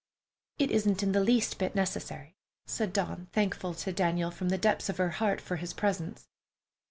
"It isn't in the least necessary," said Dawn, thankful to Daniel from the depths of her heart for his presence.